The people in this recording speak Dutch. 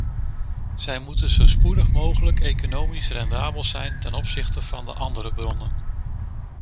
Zij moeten zo spoedig mogelijk economisch rendabel zijn ten opzichte van de andere bronnen.